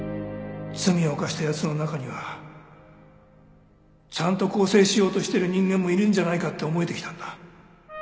罪を犯した奴の中にはちゃんと更生しようとしてる人間もいるんじゃないかって思えてきたんだ。